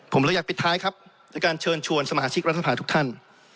ผมเลยอยากปิดท้ายครับในการเชิญชวนสมาชิกรัฐสภาทุกท่าน